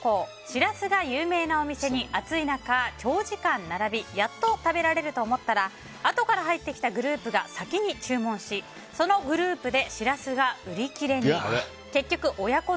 シラスが有名なお店に暑い中長時間並びやっと食べられると思ったらあとから入ってきたグループが先に注文しそのグループでシラスが売り切れに。